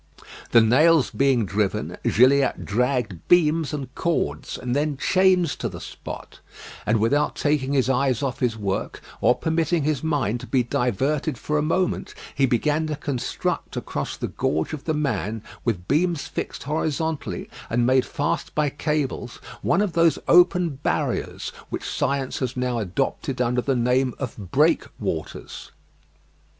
The nails being driven, Gilliatt dragged beams and cords, and then chains to the spot; and without taking his eyes off his work, or permitting his mind to be diverted for a moment, he began to construct across the gorge of "The Man" with beams fixed horizontally, and made fast by cables, one of those open barriers which science has now adopted under the name of breakwaters.